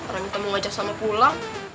nanti kita mau ngajak salma pulang